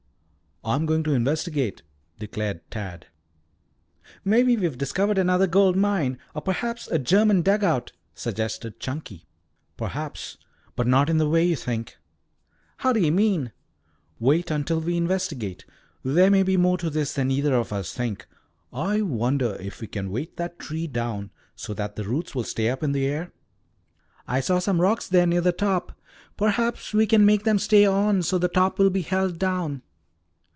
"I'm going to investigate," declared Tad. "Maybe we've discovered another gold mine, or perhaps a German dugout," suggested Chunky. "Perhaps, but not in the way you think." "How do you mean?" "Wait until we investigate. There may be more to this than either of us think. I wonder if we can weight that tree down so the roots will stay up in the air?" "I saw some rocks there near the top. Perhaps we can make them stay on so the top will be held down."